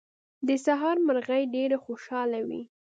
د سهار مرغۍ ډېرې خوشاله وې.